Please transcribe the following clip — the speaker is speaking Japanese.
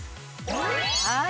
はい。